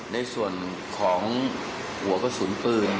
ในส่วนของหัวกระสุนปืน